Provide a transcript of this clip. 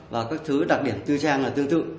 và các thứ đặc điểm tư trang là tương tự